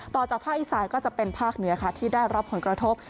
ต่อจากภาคอีสานก็จะเป็นภาคเหนือค่ะที่ได้รับผลกระทบ